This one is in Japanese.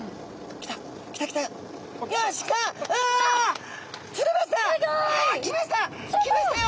きましたよ。